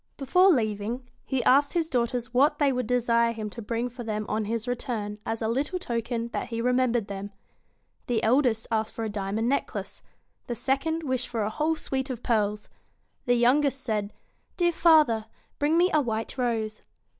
Before leaving, he asked his daughters what they would desire him to bring for them on his return, as a little token that he remembered them. The eldest asked for a diamond necklace. The second wished for a whole suite of pearls. The youngest said, 'Dear father, bring me a white rose.'